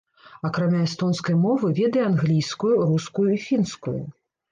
Акрамя эстонскай мовы ведае англійскую, рускую і фінскую.